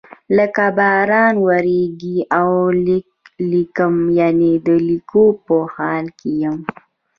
لکه باران وریږي او لیک لیکم یعنی د لیکلو په حال کې یم.